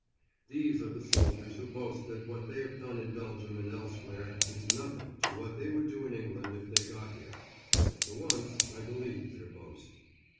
These are the soldiers who boast that what they have done in Belgium and elsewhere is nothing to what they would do in England if they got here. And for once I believe their boast.